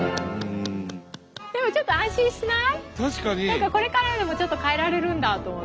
何かこれからでもちょっと変えられるんだと思って。